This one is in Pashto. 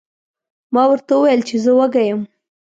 ما ورته وویل چې زه وږی یم.